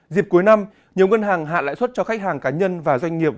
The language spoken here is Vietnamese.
dịp cuối năm nhiều ngân hàng hạ lãi suất cho khách hàng cá nhân và doanh nghiệp